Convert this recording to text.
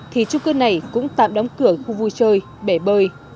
thì trung cư này cũng tạm đóng cửa khu vui chơi bể bơi